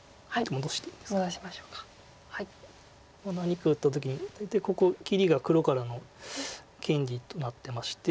何か打った時に大体ここ切りが黒からの権利となってまして。